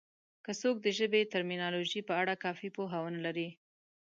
که څوک د ژبې د ټرمینالوژي په اړه کافي پوهه ونه لري